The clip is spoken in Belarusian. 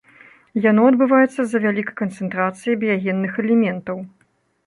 Яно адбываецца з-за вялікай канцэнтрацыі біягенных элементаў.